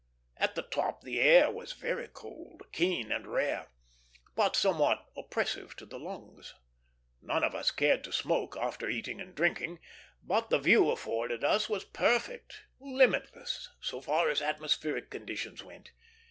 At the top the air was very cold, keen, and rare, but somewhat oppressive to the lungs. None of us cared to smoke, after eating and drinking, but the view afforded us was perfect; limitless, so far as atmospheric conditions went.